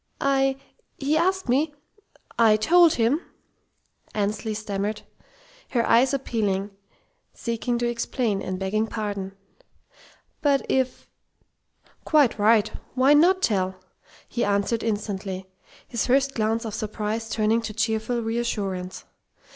"I he asked me ... I told him," Annesley stammered, her eyes appealing, seeking to explain, and begging pardon. "But if " "Quite right. Why not tell?" he answered instantly, his first glance of surprise turning to cheerful reassurance.